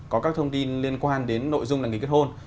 có các thông tin liên quan đến nội dung đăng ký kết hôn